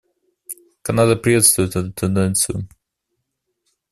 Канада приветствует эту тенденцию.